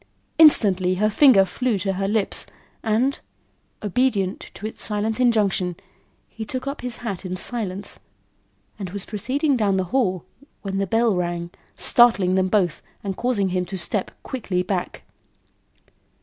Instantly her finger flew to her lips and, obedient to its silent injunction, he took up his hat in silence, and was proceeding down the hall, when the bell rang, startling them both and causing him to step quickly back.